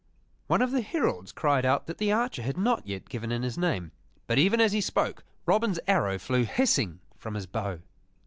One of the heralds cried out that this archer had not yet given in his name, but even as he spoke, Robin's arrow flew hissing from his bow.